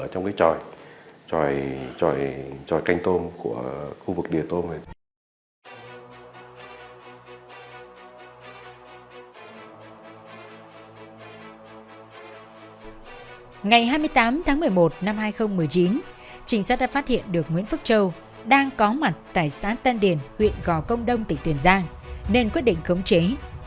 tám tháng một mươi một năm hai nghìn một mươi chín chính sách đã phát hiện được nguyễn phức châu đang có mặt tại xã tân điền huyện gò công đông tỉnh tiền giang nên quyết định khống chế